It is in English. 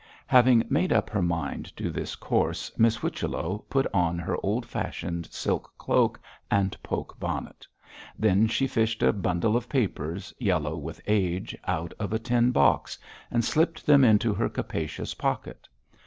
Having made up her mind to this course, Miss Whichello put on her old fashioned silk cloak and poke bonnet. Then she fished a bundle of papers, yellow with age, out of a tin box, and slipped them into her capacious pocket.